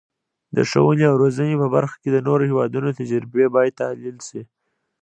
د ښوونې او روزنې په برخه کې د نورو هیوادونو تجربې باید تحلیل شي.